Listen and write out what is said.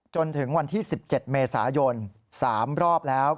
จนถึงวันที่๑๗เมษายน๓รอบแล้ว